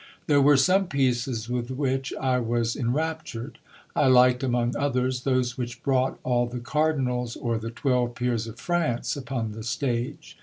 There were some pieces with which I was en raptured. I liked, among others, those which brought all the cardinals or the twelve peers of France upon the stage.